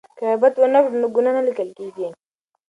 که غیبت ونه کړو نو ګناه نه لیکل کیږي.